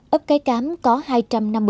ước cái cám có hai trăm linh năm